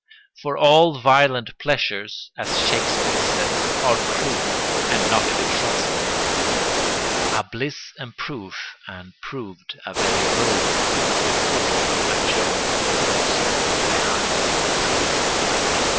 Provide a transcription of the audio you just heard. For all violent pleasures, as Shakespeare says, are cruel and not to be trusted. A bliss in proof and, proved, a very woe: Before, a joy proposed; behind, a dream